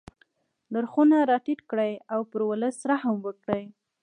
نرخونه را ټیټ کړي او پر ولس رحم وکړي.